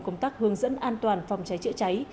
công tác hướng dẫn an toàn phòng cháy chữa cháy